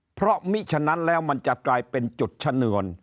เพราะมิฉะนั้นแล้วมันจะกลายเป็นจุดชะเนือน